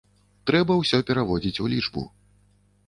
Трэба ўсё пераводзіць у лічбу.